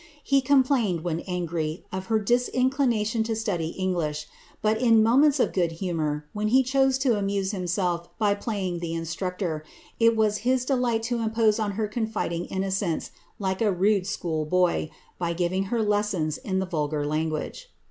He complained, when angry, of ber disinclination to the study of English, but in moments of good humour, when he chose to amuse himself by playing the instructor, it was his delight to impose on her confiding innocence, like a rude schoolboy, hj giving her lessons in the vulgar tongue.